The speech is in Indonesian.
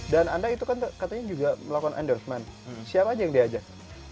dan anda itu kan katanya juga melakukan endorsement siapa aja yang diajak